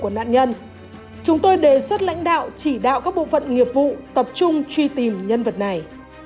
nạn nhân chúng tôi đề xuất lãnh đạo chỉ đạo các bộ phận nghiệp vụ tập trung truy tìm nhân vật này